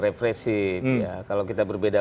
depresi kalau kita berbeda